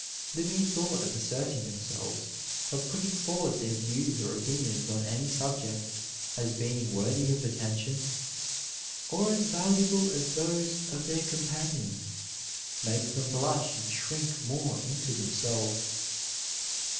The mere thought of asserting themselves, of putting forward their views or opinions on any subject as being worthy of attention, or as valuable as those of their companions, makes them blush and shrink more into themselves.